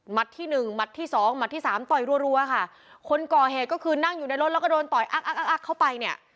ที่หนึ่งหมัดที่สองหมัดที่สามต่อยรัวค่ะคนก่อเหตุก็คือนั่งอยู่ในรถแล้วก็โดนต่อยอักอักอักอักเข้าไปเนี่ย